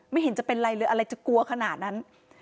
ไม่เห็นจะเป็นอะไรอะไรจะกลัวขนาดนั้น